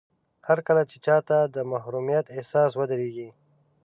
هرکله چې چاته د محروميت احساس ودرېږي.